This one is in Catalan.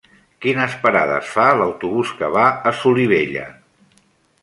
Quines parades fa l'autobús que va a Solivella?